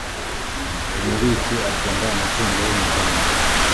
umubitsi acunga umutungo w’umuryango